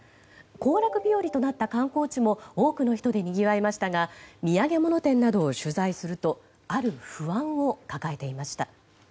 行楽日和となった観光地も多くの人でにぎわいましたが土産物店などを取材するとある不安を抱えていました。